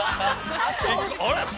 あれ？